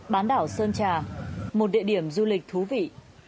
bán đảo sơn trà một địa điểm du lịch thú vị